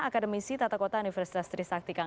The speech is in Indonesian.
akademisi tata kota universitas trisaktika